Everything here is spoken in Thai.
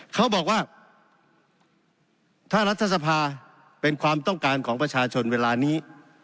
เขาบอกว่าถ้ารัฐสภาเป็นความต้องการของประชาชนเวลานี้